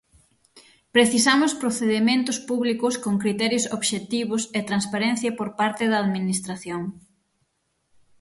Precisamos procedementos públicos con criterios obxectivos e transparencia por parte da Administración.